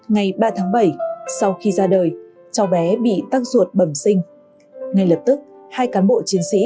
ngày ba tháng bảy sau khi ra đời cháu bé bị tắc ruột bẩm sinh ngay lập tức hai cán bộ chiến sĩ